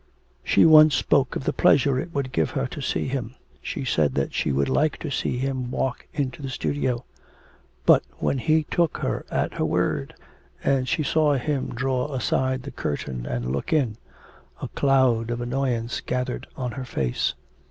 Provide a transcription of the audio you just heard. She once spoke of the pleasure it would give her to see him, she said that she would like to see him walk into the studio. But when he took her at her word and she saw him draw aside the curtain and look in, a cloud of annoyance gathered on her face.